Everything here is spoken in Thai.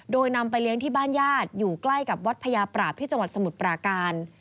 โดยนำไปเลี้ยงที่บ้านญาติอยู่ใกล้กับวัดพญาปราบที่จังหวัดสมุทรปราการ